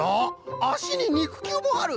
あしににくきゅうもある。